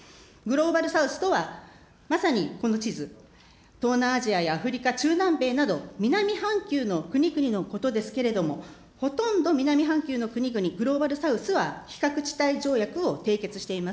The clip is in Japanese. グローバル・サウスとは、まさにこの地図、東南アジアやアフリカ、中南米など、南半球の国々のことですけれども、ほとんど南半球の国々、グローバル・サウスは非核地帯条約を締結しています。